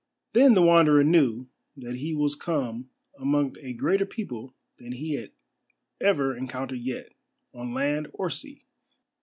Then the Wanderer knew that he was come among a greater people than he had ever encountered yet, on land or sea.